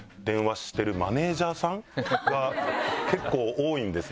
結構多いんですね。